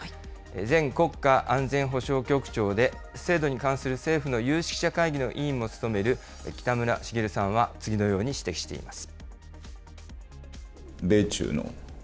前国家安全保障局長で、制度に関する政府の有識者会議の委員も務める、北村滋さんは次のように指摘しています。